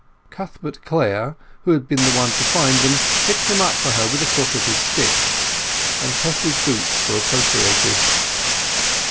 Cuthbert Clare, who had been the one to find them, picked them up for her with the crook of his stick; and Tess's boots were appropriated.